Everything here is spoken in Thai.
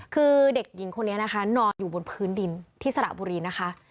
คือเด็กหญิงคนนี้นะคะนอนอยู่บนพื้นดินที่สระบุรีนะคะ